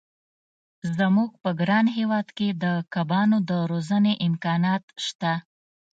زموږ په ګران هېواد کې د کبانو د روزنې امکانات شته.